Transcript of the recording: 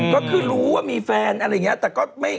ก็คือรู้ว่ามีแฟนอะไรอย่างเงี้ย